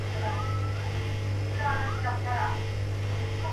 خود به د حالاتو سره جنګ کيیار ګټي میدان.